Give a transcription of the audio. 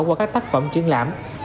qua các tác phẩm truyền lãm